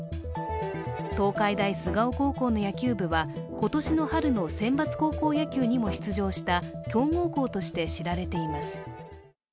東海大菅生高校の野球部は今年の春の選抜高校野球にも出場した強豪校としても知られています。